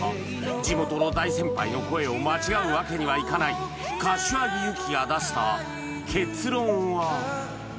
地元の大先輩の声を間違うわけにはいかない柏木由紀が出した結論は？